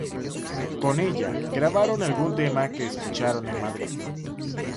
Con ella grabaron algún tema que escucharon en Madrid.